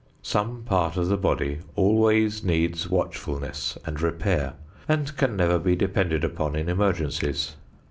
Some part of the body always needs watchfulness and repair and can never be depended upon in emergencies.